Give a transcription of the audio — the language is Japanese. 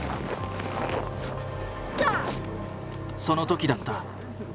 その時だった。